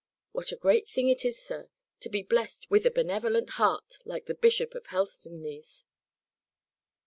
What a great thing it is, to be blessed with a benevolent heart, like the Bishop of Helstonleigh's!"